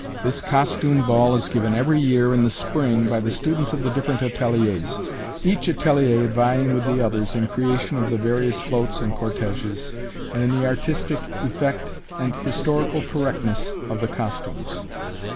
This costume ball is given every year, in the spring, by the students of the different ateliers, each atelier vying with the others in creation of the various floats and cortéges, and in the artistic effect and historical correctness of the costumes.